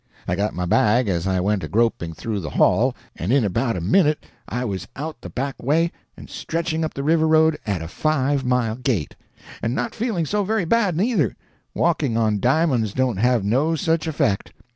I got my bag as I went a groping through the hall, and in about a minute I was out the back way and stretching up the river road at a five mile gait. "And not feeling so very bad, neither—walking on di'monds don't have no such effect.